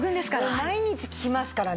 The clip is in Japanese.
毎日着ますからね。